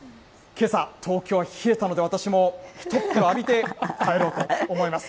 けさ、東京は冷えたので、私もひとッぷろ浴びて帰ろうと思います。